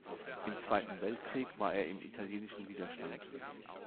Im Zweiten Weltkrieg war er im italienischen Widerstand.